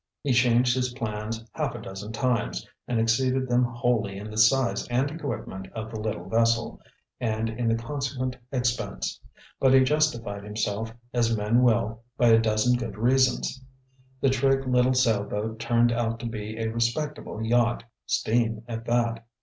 He changed his plans half a dozen times, and exceeded them wholly in the size and equipment of the little vessel, and in the consequent expense; but he justified himself, as men will, by a dozen good reasons. The trig little sail boat turned out to be a respectable yacht, steam, at that.